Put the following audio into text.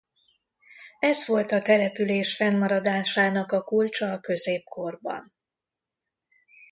Ez volt a település fennmaradásának a kulcsa a középkorban.